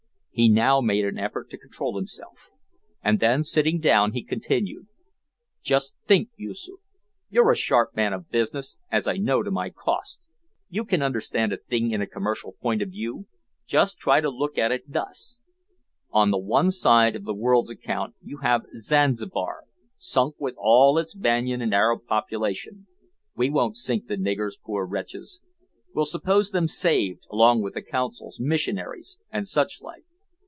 He now made an effort to control himself, and then, sitting down, he continued "Just think, Yoosoof; you're a sharp man of business, as I know to my cost. You can understand a thing in a commercial point of view. Just try to look at it thus: On the one side of the world's account you have Zanzibar sunk with all its Banyan and Arab population; we won't sink the niggers, poor wretches. We'll suppose them saved, along with the consuls, missionaries, and such like.